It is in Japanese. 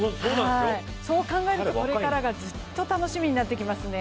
そう考えると、これからがずっと楽しみになりますね